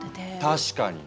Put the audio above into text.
確かに！